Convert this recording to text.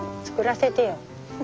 作らせてよ。